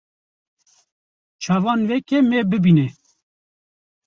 Çavan veke me bibîne